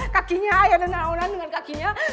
kakinya ayah nusanaon dengan kakinya